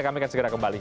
kami akan segera kembali